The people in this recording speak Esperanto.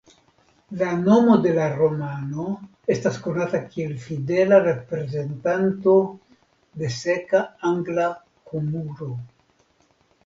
La nomo de la romano estas konata kiel fidela reprezentanto de seka angla humuro.